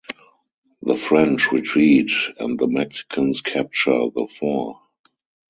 The French retreat and the Mexicans capture the fort.